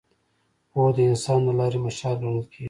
پوهه د انسان د لارې مشال ګڼل کېږي.